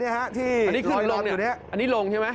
อันนี้ลงใช่ไหม